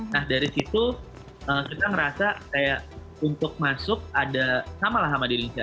nah dari situ kita ngerasa kayak untuk masuk ada sama lah sama di indonesia